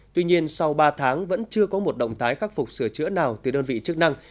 tuy nhiên sau ba tháng vẫn chưa có một động tái khắc phục sửa chữa nào từ đơn vị chức năng